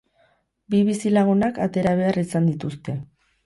Bi bizilagunak atera behar izan dituzte.